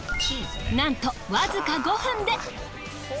なんとわずか５分で。